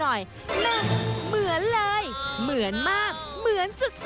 เหมือนเลยเหมือนมากเหมือนสุด